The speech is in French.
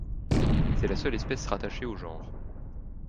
C'est la seule espèce rattachée au genre.